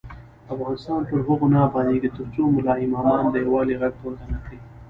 افغانستان تر هغو نه ابادیږي، ترڅو ملا امامان د یووالي غږ پورته نکړي.